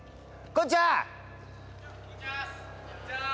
こんにちは！